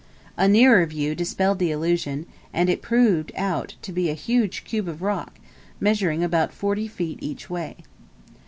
A nearer view dispelled the illusion, and proved it to be a huge cube of rock, measuring about forty feet each way.